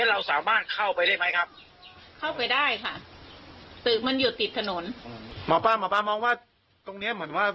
หมอปลาหมอปลามองว่าตรงเนี่ยเหมือนว่า